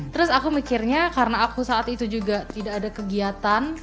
terus aku mikirnya karena aku saat itu juga tidak ada kegiatan